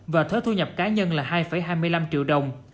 và thuế thu nhập cá nhân là hai hai mươi năm triệu đồng